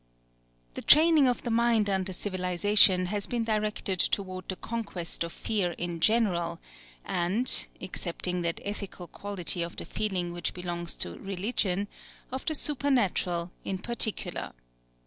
The training of the mind under civilization has been directed toward the conquest of fear in general, and excepting that ethical quality of the feeling which belongs to religion of the supernatural in particular.